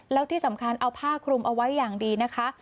แล้วที่สำคัญเอาผ้าคลุมเอาไว้อย่างดีนะคะ